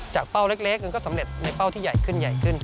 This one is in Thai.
จากเป้าเล็กก็สำเร็จในเป้าที่ใหญ่ขึ้น